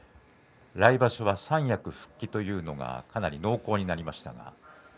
来場所は三役復帰というのがかなり濃厚になりました。